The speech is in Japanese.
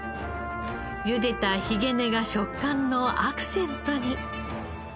茹でたひげ根が食感のアクセントに。